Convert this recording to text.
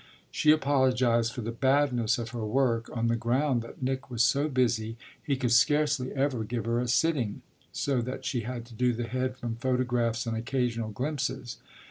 She apologised for the badness of her work on the ground that Nick was so busy he could scarcely ever give her a sitting; so that she had to do the head from photographs and occasional glimpses.